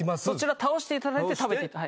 そちら倒していただいて食べて。